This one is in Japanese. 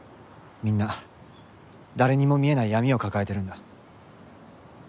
みんな誰にも見えない闇を抱えてるんだ。